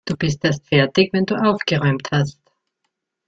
Du bist erst fertig, wenn du aufgeräumt hast.